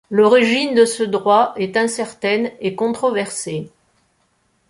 L’origine de ce droit est incertaine et controversée.